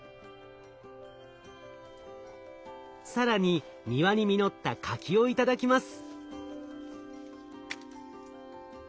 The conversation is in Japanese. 更に庭に実った柿を頂きます。